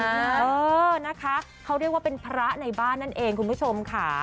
เออนะคะเขาเรียกว่าเป็นพระในบ้านนั่นเองคุณผู้ชมค่ะ